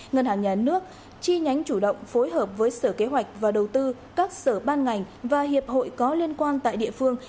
ngân hàng nhà nước chi nhánh chủ động phối hợp với sở kế hoạch và đầu tư các sở ban ngành và hiệp hội có liên quan tại địa phương